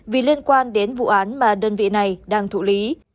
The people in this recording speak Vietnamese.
vì liên quan đến vụ án mà đơn vị này đang thụ lý